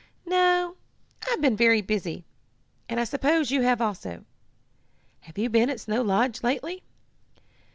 "No, I've been very busy, and I suppose you have also. Have you been at Snow Lodge lately?"